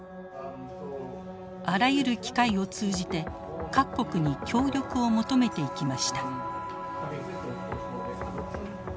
あらゆる機会を通じて各国に協力を求めていきました。